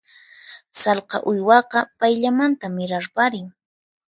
Sallqa uywaqa payllamanta mirarparin.